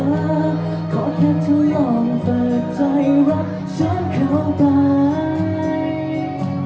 ขอแค่เธอยอมเปิดใจรักฉันเข้าไป